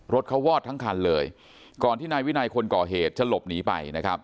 รถเขาวอดทั้งคันเลยก่อนที่นายวินัยคนก่อเหตุจะหลบหนีไปนะครับ